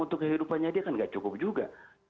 untuk kehidupannya dia kan nggak cukup juga